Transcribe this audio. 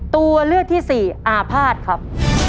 ตัวเลือกที่๔อาภาษครับ